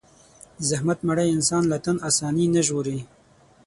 د زحمت مړۍ انسان له تن آساني نه ژغوري.